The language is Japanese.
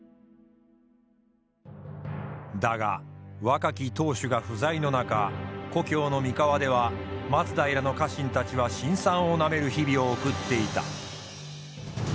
だが若き当主が不在の中故郷の三河では松平の家臣たちは辛酸をなめる日々を送っていた。